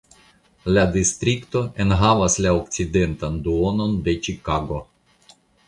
La distrikto enhavas la okcidentan duonon de Ĉikago.